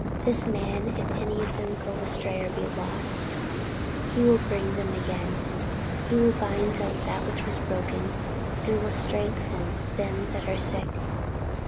This Man, if any of them go astray or be lost, He will bring them again, He will bind up that which was broken, and will strengthen them that are sick.